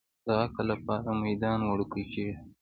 د عقل لپاره میدان وړوکی کېږي.